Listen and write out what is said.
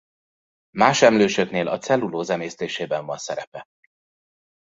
Más emlősöknél a cellulóz emésztésében van szerepe.